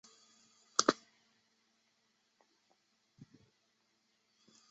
这都是有关他的经济思想的重要文献。